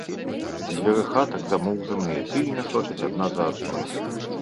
Дзверы хатак, замурзаныя, пільна сочаць адна за адной.